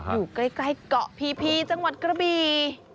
อยู่ใกล้เกาะพีจังหวัดกระบี